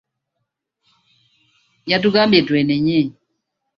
Yatugambye twenenye.